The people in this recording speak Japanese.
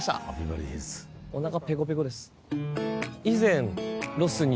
お腹ペコペコです。